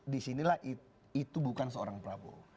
di sini lah itu bukan seorang prabowo